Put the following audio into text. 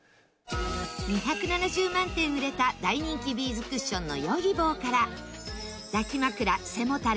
２７０万点売れた大人気ビーズクッションのヨギボーから抱き枕背もたれ